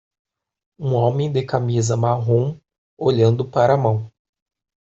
Um homem de camisa marrom, olhando para a mão.